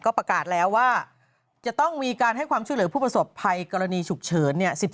ประกาศแล้วว่าจะต้องมีการให้ความช่วยเหลือผู้ประสบภัยกรณีฉุกเฉิน